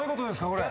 これ。